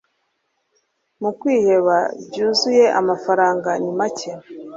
mu kwiheba byuzuyeAmafaranga ni make